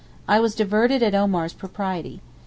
I was diverted at Omar's propriety.